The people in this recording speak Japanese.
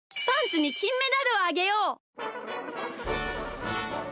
パンツにきんメダルをあげよう。